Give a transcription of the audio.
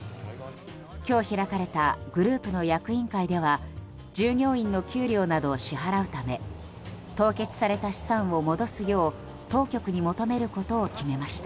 今日開かれたグループの役員会では従業員の給料などを支払うため凍結された資産を戻すよう当局に求めることを決めました。